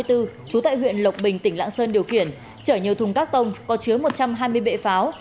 trú tại huyện lộc bình tỉnh lạng sơn điều khiển chở nhiều thùng các tông có chứa một trăm hai mươi bệ pháo